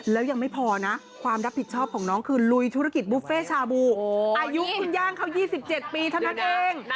แล้วยังไม่พอนะความรับผิดชอบของน้องคือลุยธุรกิจบุฟเฟ่ชาบูอายุคุณย่างเขา๒๗ปีเท่านั้นเอง